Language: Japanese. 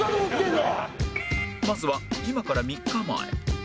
まずは今から３日前